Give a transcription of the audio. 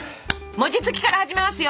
餅つきから始めますよ。